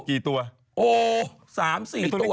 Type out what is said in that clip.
กี่ตัวโอ้๓๔ตัว